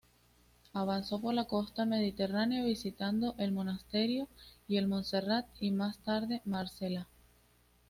Avanzó por la costa mediterránea, visitando el Monasterio de Montserrat y más tarde Marsella.